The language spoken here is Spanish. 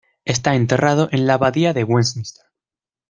Está enterrado en la abadía de Westminster.